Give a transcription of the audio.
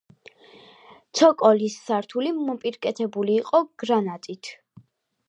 ცოკოლის სართული მოპირკეთებული იყო გრანიტით.